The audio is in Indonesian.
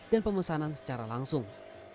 dan pemesanan secara langsung